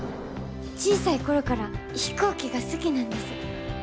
小さい頃から飛行機が好きなんです。